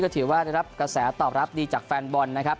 ถือว่าได้รับกระแสตอบรับดีจากแฟนบอลนะครับ